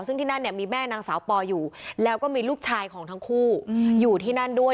ซึ่งที่นั่นเนี่ยมีแม่นางสาวปออยู่แล้วก็มีลูกชายของทั้งคู่อยู่ที่นั่นด้วย